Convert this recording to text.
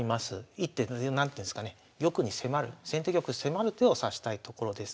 一手何ていうんですかね玉に迫る先手玉に迫る手を指したいところです。